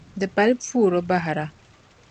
Di pali puuri bahira.